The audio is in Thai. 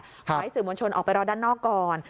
ขอให้สื่อมวลชนออกไปรอด้านนอกก่อน